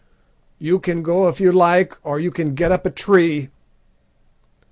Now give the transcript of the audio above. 'You can go if you like, or you can get up a tree.'